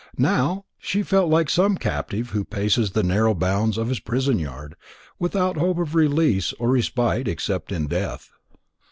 Now, she felt like some captive who paces the narrow bounds of his prison yard, without hope of release or respite, except in death.